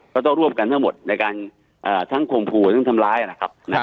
ก็ต้องร่วมกันทั้งหมดในการทั้งข่มขู่ทั้งทำร้ายนะครับ